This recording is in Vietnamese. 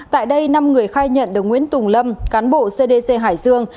tại đây năm người khai nhận được nguyễn tùng lâm cán bộ cdc hải dương